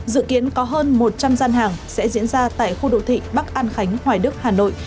dự kiến có hơn một trăm linh gian hàng sẽ diễn ra tại khu đô thị bắc an khánh hoài đức hà nội